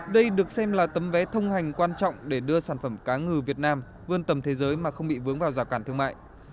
đây được xem là tấm vé thông hành quan trọng để đưa sản phẩm cá ngừ việt nam vươn tầm thế giới mà không bị vướng vào giả cản thương mại